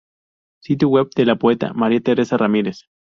Sitio Web de la poeta María Teresa Ramírez